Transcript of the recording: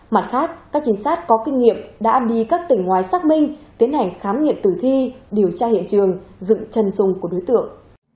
mặt khác các trinh sát có kinh nghiệm đã đi các tỉnh ngoài xác minh tiến hành khám nghiệm tử thi điều tra hiện trường dựng chân dung của đối tượng